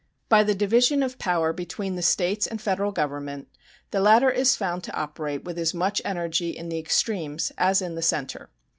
By the division of power between the States and Federal Government the latter is found to operate with as much energy in the extremes as in the center.